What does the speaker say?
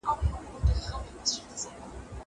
زه اوس کتابتوننۍ سره وخت تېرووم.